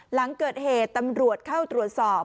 หลังเกิดเหตุตำรวจเข้าตรวจสอบ